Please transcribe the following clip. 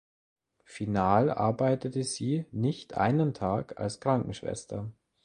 Final arbeitete sie nicht einen Tag als Krankenschwester.